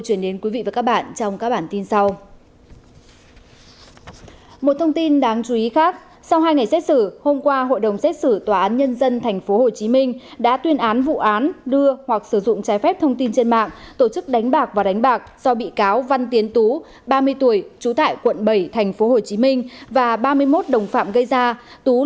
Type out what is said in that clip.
hội đồng xét xử đã tuyên phạt văn tiến tú bảy năm sáu tháng tù